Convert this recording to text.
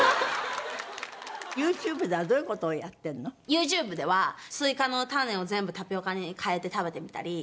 ＹｏｕＴｕｂｅではスイカの種を全部タピオカに替えて食べてみたり。